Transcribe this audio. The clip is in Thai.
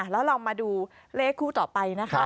แล้วลองมาดูเลขคู่ต่อไปนะคะ